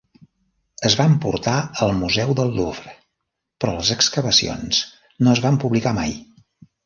Es van portar al Museu del Louvre, però les excavacions no es van publicar mai.